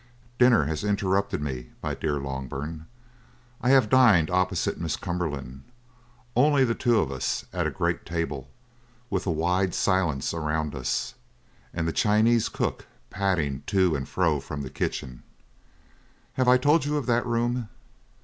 "Dinner has interrupted me, my dear Loughburne. I have dined opposite Miss Cumberland only the two of us at a great table with a wide silence around us and the Chinese cook padding to and fro from the kitchen. Have I told you of that room?